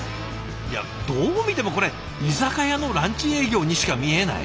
いやどう見てもこれ居酒屋のランチ営業にしか見えない。